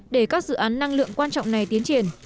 để các dự án năng lượng quan trọng này tiến triển